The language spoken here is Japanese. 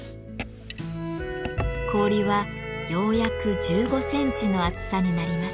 氷はようやく１５センチの厚さになります。